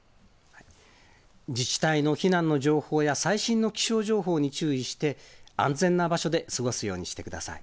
自治体の避難の情報や最新の気象情報に注意して、安全な場所で過ごすようにしてください。